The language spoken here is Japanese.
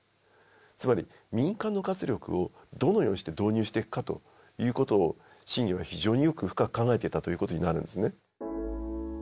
つまり民間の活力をどのようにして導入していくかということを信玄は非常によく深く考えていたということになるんですね。